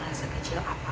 bagaimana cara menjawabnya